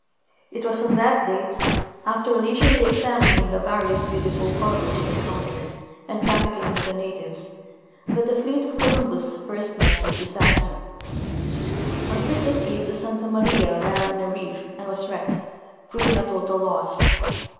It was on that date, after leis 192 F. A. Oher—In the Wake of Columbus. iirely examining the various beautiful harbors encountered and trafficking with the natives, that the fleet of Columbus first met Avitli disaster. On Christmas eve the Santa Maria ran on a reef and was wrecked, proving a total loss.